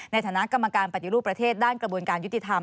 ในฐานะกรรมการปฏิรูปประเทศด้านกระบวนการยุติธรรม